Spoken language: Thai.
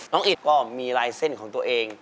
อิดก็มีลายเส้นของตัวเอง